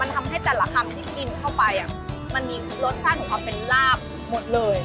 ทำให้แต่ละคำที่กินเข้าไปมันมีรสชาติของความเป็นลาบหมดเลย